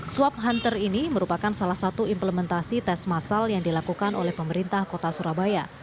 swab hunter ini merupakan salah satu implementasi tes masal yang dilakukan oleh pemerintah kota surabaya